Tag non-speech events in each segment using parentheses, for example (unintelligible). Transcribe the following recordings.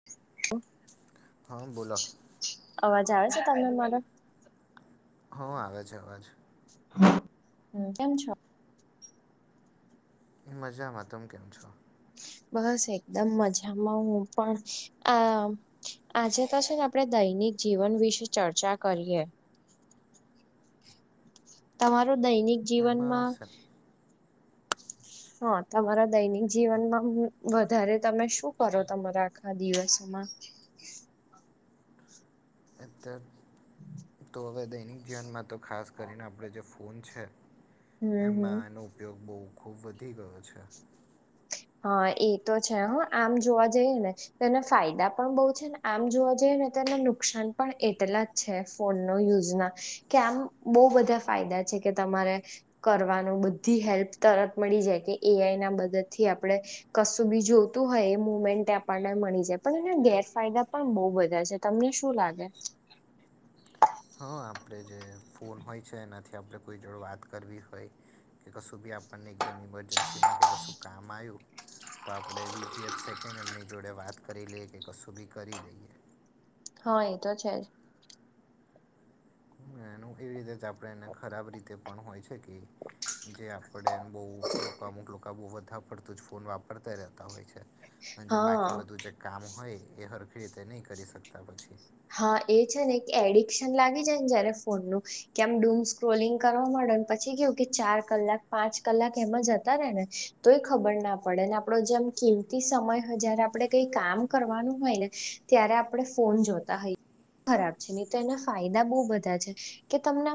(inaudible) હા બોલો અવાજ આવે છે, તમને મારો હ આવે છે અવાજ હ કેમ છો. મજામાં તમે કેમ છો. બસ એકદમ મજામાં હું પણ આ આજે તો છે આપણે દૈનિક જીવન વિશે ચર્ચા કરીએ. તમારૂ દૈનિક એમાં જીવનમાં હા તમારા દૈનિક જીવનમાં વધારે તમે શું કરો? તમારા આખા દિવસોમાં (unintelligible) તો હવે દૈનિક જીવનમાં તો ખાસ કરીને આપણે જે ફોન છે હમ હમ એમાં એનો ઉપયોગ બહુ ખૂબ વધી ગયો છે. હા એ તો છે હ આમ જોવા જઈએને તેના ફાયદા પણ બોવ છે ને આમ જોવા જઈએ ને તેને નુકસાન પણ એટલા છે ફોનનો યુઝના કે આમ બહુ બધા ફાયદા છે કે તમારે કરવાનું બધી હેલ્પ તરત મળી જાય કે એઆઈ ના મદદ થી આપણેે કશુંબી જોવતું હોય એ મુમેન્ટ આપણને મળી જાય પણ એના ગેરફાયદા પણ બોવ બધા છે. તમને શું લાગે? હા આપણે જે ફોન હોય છે, એનાથી આપણે કોઈ જોડે વાત કરવી હોય કે કશું બી આપણને એકદમ ઈમરજન્સીમાં કે કશું કામ આવ્યું તો આપણે બીજી એક સેકન્ડ એમની જોડે વાત કરી લઈએ કે કશું બી કરી દઈએ. હા એ તો છેજ. એનું એવી રીતે જ આપણે એને ખરાબ રીતે પણ હોય છે, કે જે આપડેન બોવ લોકો અમુક લોકો, બોવ વધા પરતું જ ફોન વાપરતા રહેતા હોય છે, જે હા બાકી બધું કામ હોય એ હરખી રીતે નહી કરી શકતા પછી. હા એ છે ને કે એડિક્શન લાગી જાયને, જયારે ફોનનું કે આમ ડૂમ સ્ક્રોલિંગ કરવા પછી કેવું કે ચાર કલાક પાંચ કલાક એમાં જતા રે ને તો એ ખબર ના પડે આપડો જેમ કિંમ સમય જયારે આપડે કઈ કામ કરવાનું હોય, ને ત્યારે આપણે ફોન જોતા ખરાબ છેન, તો એના ફાયદા બહુ બધા છે કે તમને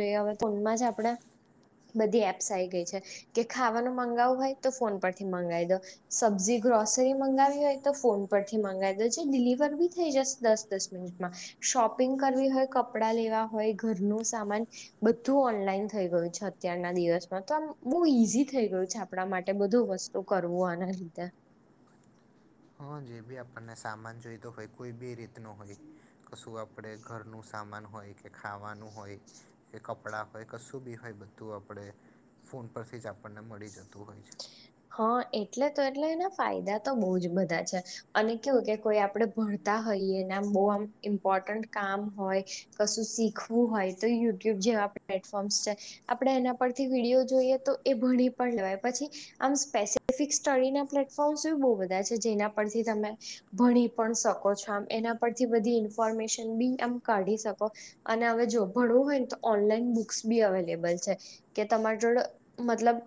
જોઈ હવે ફોનમાં જ આપણેે બધી એપ્સ આ આવી ગઈ છે. કે ખાવાનું મંગાવું હોય, તો ફોન પરથી મંગાવી દો સબ્જી ગ્રોસરી મંગાવી હોય, તો ફોન પરથી મંગાવી દેજ ડિલિવર બી થઈ જશે દસ દસ મિનિટમાં શોપિંગ કરવી હોય, કપડાં લેવા હોય ઘરનું સામાન બધું ઓનલાઈન થઈ ગયું છે, અત્યારના દિવસમાં તો આમ બહુ ઈઝી થઈ ગયુ છે આપણા માટે બધું વસ્તુ શું કરવું આના લીધે હા જે બી આપણને સામાન જોઈતો હોય કોઈ બી રીતનો હોય કશું આપ આપણે ઘરનું સામાન હોય કે ખાવાનું હોય કે કપડાં હોય કશું બી હોય બધું આપણે ફોન પરથી જ આપણને મળી જતું હોય છે. હા એટલે તો એટલે એના ફાયદા તો બહુ જ બધા છે. અને કેવું કે કોઈ આપડે ભણતા હોઈયએ, ને આમ બહુ આમ ઇમ્પોર્ટન્ટ કામ હોય કશું શીખવું હોય તો યુટ્યુબ જેવા પ્લેટફોર્મ્સ છે. આપડે એના પરથી વિડીયો જોઈએ, તો એ ભણી પણ લેવાય પછી આમ સ્પેસિફિક સ્ટડીના પ્લેટફોર્મ્સ એ બહુ બધા છે જેના પરથી તમે ભણી પણ શકો છો, આમ એના પરથી બધી ઇન્ફોર્મેશન બી આમ કાઢી શકો. અને હવે જો ભણવું હોય ને તો ઓનલાઈન બુક્સ બી અવેલેબલ છે. કે તમારી જોડે મતલબ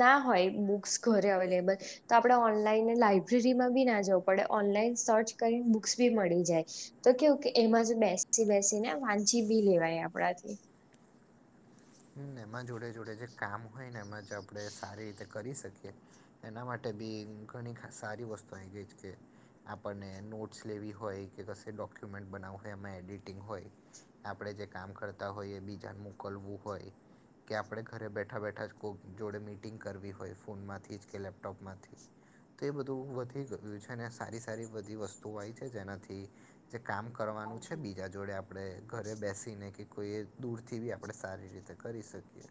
ના હોય બુક્સ ઘરે અવેલેબલ તો આપણે ઓનલાઈન લાઈબ્રેરીમાં બી ના જવું પડે ઓનલાઈન સર્ચ કરીને બુક્સ બી મળી જાય. તો કેવું કે એમાં જો બેસી બેસીને વાચી બી લેવાય આપણાથી. એમાં જોડે જોડે જે કામ હોય ને એમાં જ આપણે સારી રીતે કરી શકીએ. એના માટે બી ઘણી સારી વસ્તુ આવી ગઈ છે કે આપણને નોટ્સ લેવી હોય કે કશે ડોક્યુમેન્ટ બનાવું હોય એમાં એડિટિંગ હોય આપણે જે કામ કરતા હોઈએ બીજાને મોકલવું હોય કે આપણે ઘરે બેઠા બેઠા જ કોઈ જોડે મીટિંગ કરવી હોય ફોનમાંથી જ કે લેપટોપમાંથી. તો એ બધું વધી ગયું છે અને સારી સારી બધી વસ્તુઓ આવી છે જેનાથી જે કામ કરવાનું છે બીજા જોડે આપણે ઘરે બેસીને કે કોઈ એ દૂરથી બી આપણે સારી રીતે કરી શકીએ.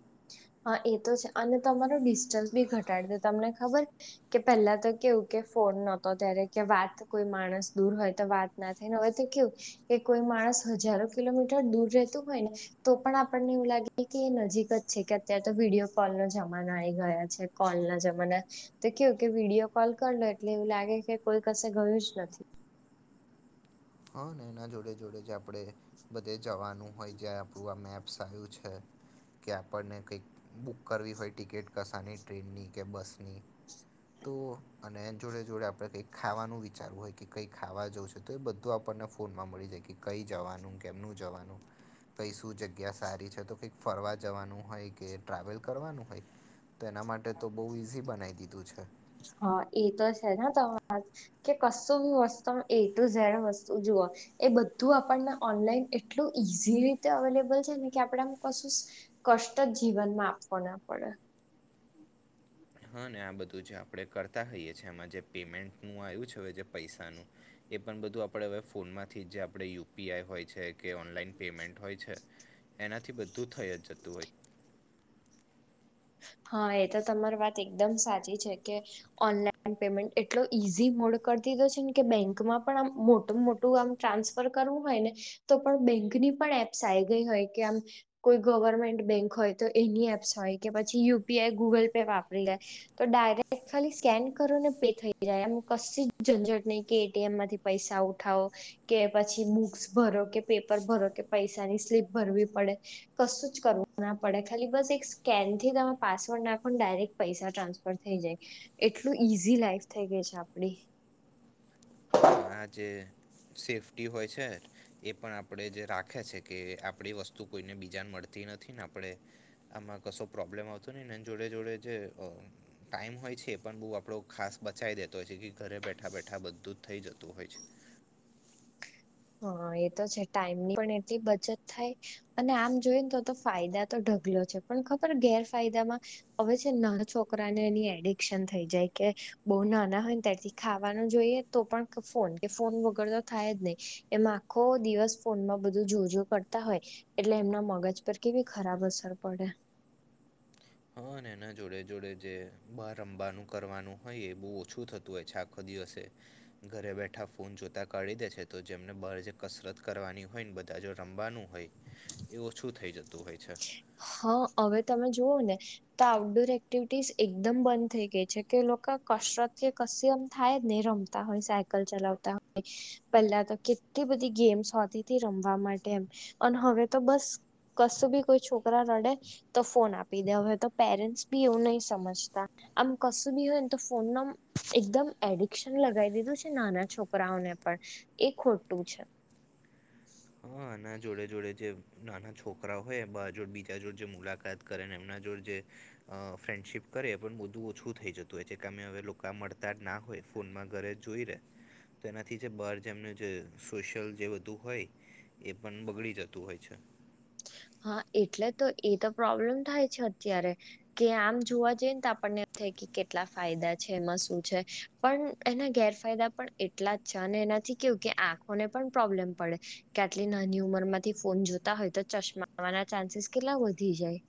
હા એ તો છે અને તમારો ડિસ્ટન્સ બી ઘટાડે તમને ખબર કે પહેલા તો કેવું કે ફોન નહતો ત્યારે કે વાત કોઈ માણસ દૂર હોય તો વાત ના થઈને હોય તો કેવું કે કોઈ માણસ હજારો કિલોમીટર દૂર રહેતું હોય ને તો પણ આપણને એવું લાગે કે એ નજીક જ છે. તં તો વિડીયો કોલનો જમાનો આ આવી ગયા છે. કોલના જમાના તો કેવું કે વિડીયો કોલ કર લો એટલે એવું લાગે કે કોઈ કસે ગયું જ નથી. હા ને એના જોડે જોડે જે આપણે બધે જવાનું હોય જ્યાં આપણું આ મેપ્સ આવ્યું છે્ કે આપણને કંઈક બુક કરવી હોય ટિકિટ કસાની ટ્રેનની કે બસની તો અને એ જોડે જોડે આપણે કઈક ખાવાનું વિચારવું હોય કે કંઈક ખાવા જોવ છે તો એ બધું. તો આપણને ફોનમાં મળી જાય કે કઈ જવાનું કેમનું જવાનું. પય શું જગ્યા સારી છે તો કંઈક ફરવા જવાનું હોય કે ટ્રાવેલ કરવાનું હોય તો એના માટે તો બહુ ઈઝી બનાવી દીધું છે. હા એ તો છે ને તમા કે કશું બી વસ્તુ એ ટુ ઝેડ વસ્તુ જુઓ એ બધું આપણને ઓનલાઈન એટલું ઈઝી રીતે અવેલેબલ છે ને કે આપણેે આમ કશું કષ્ટ જ જીવનમાં આપવો ના પડે. હા ને આ બધું જે આપણે કરતા હોઈએ છીએ એમાં જે પેમેન્ટનું આવ્યું છે હવે જે પૈસાનું એ પણ બધું આપણે હવે ફોનમાંથી જ જે આપણે યુપીઆઈ હોય છે. કે ઓનલાઈન પેમેન્ટ હોય છે એનાથી બધું થઈ જ જતું હોય હા એ તો તમારી વાત એકદમ સાચી છે કે ઓનલાઈન પેમેન્ટ એટલો ઈઝી મોડ કરી દીધો છે ને કે બેંકમાં પણ આમ મોટું મોટું આમ ટ્રાન્સફર કરવું હોય ને તો પણ બેંકની પણ એપ્સ આ ગઈ હોય કે આમ કોઈ ગવર્મેન્ટ બેંક હોય તો એની એપ્સ હોય કે પછી યુપીઆઈ ગુગલ પે વાપરી લે તો ડાયરેક્ટ ખાલી સ્કેન કરો ને પે થઈ જાય એમ કશી ઝંઝટ નહી કે એટીએમ માંથી પૈસા ઉઠાવો કે પછી બુક્સ ભરો કે પેપર ભરો કે પૈસાની સ્લીપ ભરવી પડે કશું જ કરવું ના પડે ખાલી બસ એક સ્કેન થી તમે પાસવર્ડ નાખો ને ડાયરેક પૈસા ટ્રાન્સફર થઈ જાય એટલું ઈઝી લાઈફ થઈ ગઈ છે આપડી હં આજે સેફ્ટી હોય છે. એ પણ આપણે જે રાખે છે કે આપડી વસ્તુ કોઈને બીજાને મળતી નથી ને આપણે આમાં કશો પ્રોબ્લેમ આવતો નહી એ જોડે જોડે જે ટાઈમ હોય છે એ પણ બહુ આપણો ખાસ બચાય દેતો હોય છે કે ઘરે બેઠા બેઠા બધું જ થઇ જતું હોય છે. હા એ તો છે ટાઈમ ની પણ એટલી બચત થાય. અને આમ જોઈ ને તો તો ફાયદા તો ઢગલો છે પણ ખબર ગેરફાયદામાં હવે છે નાના છોકરાને એની એડિકશન થઈ જાય કે બઉુ નાના હોય ને ત્યારથી ખાવાનું જોઈએ તો પણ ફોન કે ફોન વગર તો થાય જ નહી એમ આખો દિવસ ફોનમાં બધું જોજો કરતા હોય એટલે એમના મગજ પર કેવી ખરાબ અસર પડે હા અને એના જોડે જોડે જે બારમવાનું કરવાનું હોય એ બહુ ઓછું થતું હોય છે આખો દિવસે ઘરે બેઠા ફોન જોતા કાઢી દે છે તો જેમને બહાર જે કસરત કરવાની હોય ને બધા જો રમવાનું હોય એ ઓછું થઈ જતું હોય છે. હા અવે તમે જુઓ ને તો આઉટડોર એક્ટિવિટીસ એકદમ બંધ થઈ ગઈ છે કે લોકો કસરત કે કશ્યમ થાય ને રમ હોય સાયકલ ચલાવતા પહેલા તો કેટલી બધી ગેમ્સ હોતી ત રમવા માટે એમ અને હવે તો બસ કશું બી કોઈ છોકરા રડે તો ફોન આપી દે હવે તો પેરેન્ટ્સ બી એવું નહી સમજતા આમ કશું બી હોય ને તો ફોન ન એકદમ એડિકશન લગાવી દીધું છે નાના છોકરાઓને પણ એ ખોટું છે હ એના જોડે જોડે જે નાના છોકરા હોય બ જોડ બીજા જોડ જે મુલાકાત કરે ને એમના જોડે જે અ ફ્રેન્ડશિપ કરે પણ બધું ઓછું થઈ જતું હોય છે. કામે હવે લોકો મળતા જ ના હોય. ફોનમાં ઘરે જોઈ રહે તો એનાથી જે બહાર જેમનું જે સોશિયલ જે બધું હોય. એ પણ બગડી જતું હોય છે. હા એટલે તો એ તો પ્રોબ્લેમ થાય છે અત્યારે કે આમ જોવા જઈ ને તો આપણને થાય કેટલા ફાયદા છે એમાં શું છે પણ એના ગેરફાયદા પણ એટલા જ છે અને એનાથી કેવું કે આંખોને પણ પ્રોબ્લેમ પડે કે આટલી નાની ઉંમર માંથી ફોન જોતા હોય તો ચશ્માના ચાન્સીસ કેટલા વધી જાય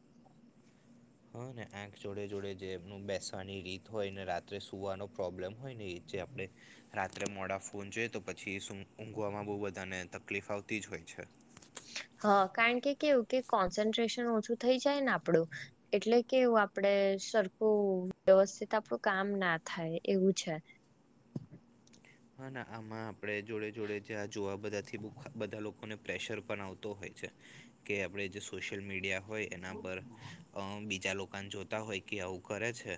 હા ને આંખ જોડે જોડે જેમ બેસવાની રીત હોય ને રાત્રે સુવાનો પ્રોબ્લેમ હોય ને એ જે આપણે રાત્રે મોડા ફોન જોઈ તો પછી ઊંઘવામાં બહુ બધાને તકલીફ આવતી જ હોય છે. હ કારણ કે કેવું કે કોન્સન્ટ્રેશન ઓછું થઈ જાય ને આપડું એટલે કેવું આપડે સરખું વ્યવસ્થિત આપડું કામ ના થાય એવું છે હા આમાં આપે જોડે જોડે જ્યાં જોવા બધાથી બધા લોકો લોકોને પ્રેશર પણ આવતો હોય છે કે આપણે જે સોશિયલ મીડિયા હોય એના પર બીજા લોકોને જોતા હોય કે આવું કરે છે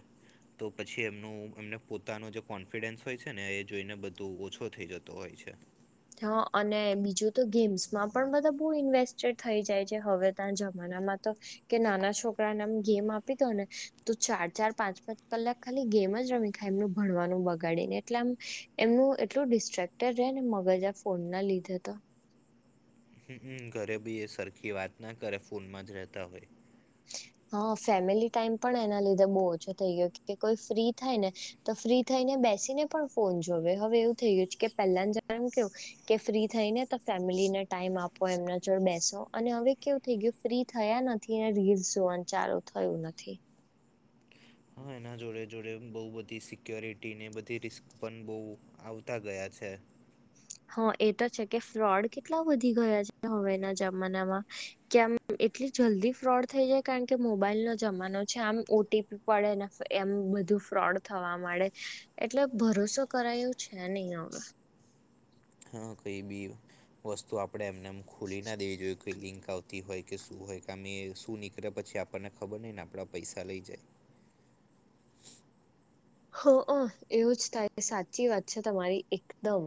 તો પછી એમનું એમને પોતાનું જે કોન્ફિડન્સ હોય છે ને એ જોઈને બું તો ઓછો થઈ જતો હોય છે. હ અને બીજું તો ગેમ્સમાં પણ બધા બહુ ઇન્વેસ્ટેડ થઈ જાય છે. હવે, ત્યાં જમાનામાં તો કે નાના છોકરાને આમ ગેમ આપી દઉ ને તો ચાર ચાર, પાંચ પાંચ કલાક ખાલી ગેમ જ રમી ખાય. એમનું ભણવાનું બગાડીને એટલે આમ એમનું એટલું ડિસ્ટ્રેક્ટર રહેને બધા ફોનના લીધેતો હ હ, ઘરે બી એ સરખી વાત ના કરે, ફોનમાં જ રહેતા હોય. હા, ફેમિલી ટાઈમ પણ એના લીધે બહુ ઓછો થઈ ગયો. કોઈ ફ્રી થાયને તો ફ્રી થઈને બેસીને પણ ફોન જોવે. હવે, એવું થઈ ગયું છે કે પહેલાને જમાનામાં કેવું? કે ફ્રી થઈ ને તો ફેમિલીને ટાઈમ આપો એમના જોડ બેસો અને હવે કેવું થઈ ગયું ફ્રી થયા નથી રીઝ જોવાનું ચાલુ થયું નથી. હા, એના જોડે જોડે બહુ બધી સિક્યોરિટીને બધી રિસ્ક પણ બહુ આવતા ગયા છે. હા, એ તો છે કે ફ્રોડ કેટલા વધી ગયા છે. હવેના જમાનામાં કે આમ એટલી જલ્દી ફ્રોડ થઈ જાય કારણ કે મોબાઈલનો જમાનો છે આમ ઓ ટી પ પડે ને એમ બધું ફ્રોડ થવા મળે. એટલે ભરોસો કરાય એવું છે નહી હવે. હા, કઈ બી વસ્તુ આપણે એમને એમ ખોલીના દેવી જોઈએ. ફિલિંક આવતી હોય કે શું હોય કેમે એ શું નીકળે પછી આપણને ખબર નહીં ને આપણા પૈસા લઈ જાય. હ, એવું જ તારી સાચી વાત છે. તમારી એકદમ.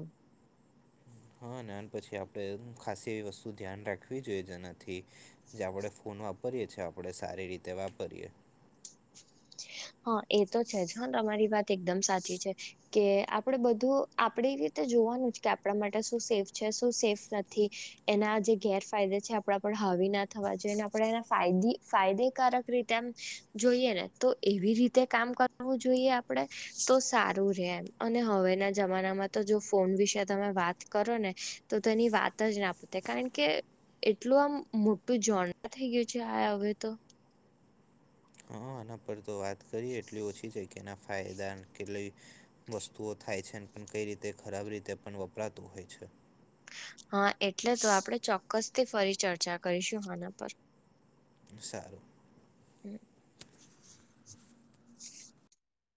હા, અને પછી આપણે ખાસ એવી વસ્તુ ધ્યાન રાખવી જોઈએ જેનાથી જે આપણેે ફોન વાપરીએે છીએ. આપણેે સારી રીતે વાપરીએ હા, એ તો છે જ. હા, તમારી વાત એકદમ સાચી છે. કે આપણે બધું આપણે એ રીતે જોવાનું જ કે આપણા માટે શું સેફ છે, શું સેફ નથી. એના જે ગેરફાયદા છે આપણા હાવી ના થવા જોઈએ અને આપણે એ ફાયદેકારક રીતે આમ જોઈએ ને તો એવી રીતે કામ કરવું જોઈએ આપણે. તો સારું રે એમ અને હવેના જમાનામાં તો જો ફોન વિશે તમે વાત કરો ને તો તેની વાત જ ના પૂતે કારણ કે એટલું આમ મોટું જોણ થઈ ગયું છે. આ હવે તો હા, આના પર તો વાત કરીએ એટલી ઓછી છે કે એના ફાયદા કેટ વસ્તુઓ થાય છેને પણ કઈ રીતે ખરાબ રીતે પણ વપરાતું હોય છે. હા, એટલે તો આપણે ચોક્કસથી ફરી ચર્ચા કરીશું આના પર. સારું. હમ.